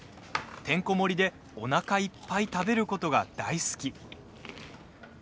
てんこ盛りで、おなかいっぱい食べることが大好き。